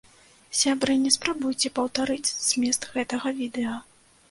Сябры, не спрабуйце паўтарыць змест гэтага відэа.